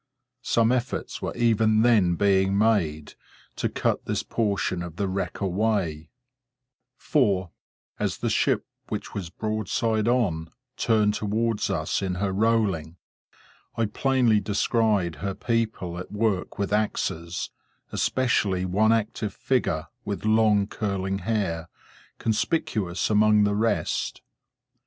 Some efforts were even then being made, to cut this portion of the wreck away; for, as the ship, which was broadside on, turned towards us in her rolling, I plainly descried her people at work with axes, especially one active figure with long curling hair, conspicuous among the rest.